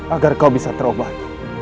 agar kau bisa terobat